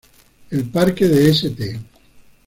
El parque de St.